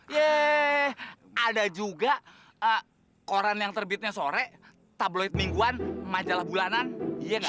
yeh ada juga koran yang terbitnya sore tabloid mingguan majalah bulanan iya nggak